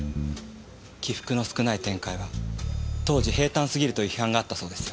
起伏の少ない展開は当時平坦すぎるという批判があったそうですよ。